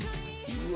うわ。